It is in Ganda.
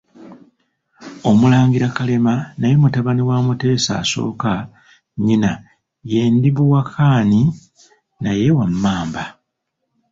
OMULANGIRA Kalema naye mutabani wa Mutesa I nnyina ye Ndibuwakaani, naye wa Mmamba.